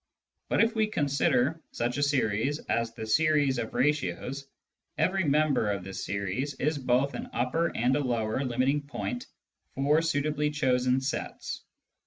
But if we consider such a series as the series of ratios, every member of this series is both an upper and a lower limiting point for suitably chosen sets.